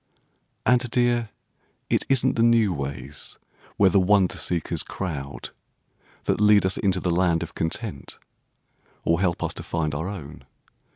And, dear, it isn't the new ways Where the wonder seekers crowd That lead us into the land of content, or help us to find our own.